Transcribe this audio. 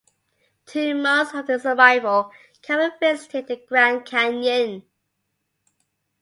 Two months after his arrival, Cameron visited the Grand Canyon.